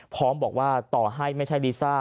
พร้อมบอกว่าต่อให้ไม่ใช่ลิซ่า